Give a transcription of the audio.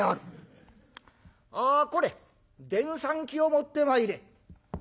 あこれ電算機を持ってまいれ」。